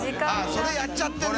△それやっちゃってるな。